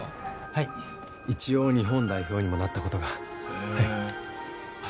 はい一応日本代表にもなったことがへえあ